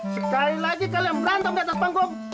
sekali lagi kalian berantem di atas panggung